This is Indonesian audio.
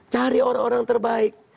cari orang orang terbaik